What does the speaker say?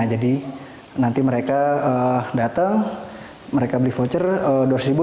jadi nanti mereka datang mereka beli voucher dua ratus ribu